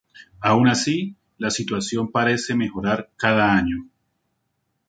Aun así, la situación parece mejorar cada año.